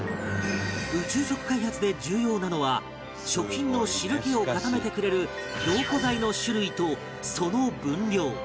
宇宙食開発で重要なのは食品の汁気を固めてくれる凝固剤の種類とその分量